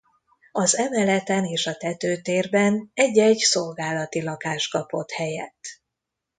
Az emeleten és a tetőtérben egy-egy szolgálati lakás kapott helyet.